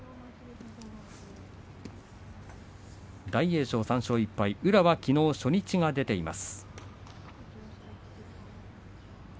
大栄翔は３勝１敗宇良はきのう初日が出ています。